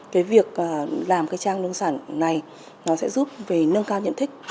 cái việc làm cái trang nông sản này nó sẽ giúp về nâng cao nhận thức